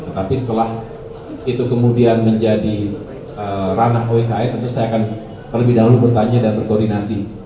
tetapi setelah itu kemudian menjadi ranah oeka tentu saya akan terlebih dahulu bertanya dan berkoordinasi